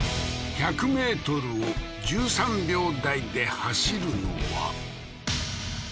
１００ｍを１３秒台で走るのは？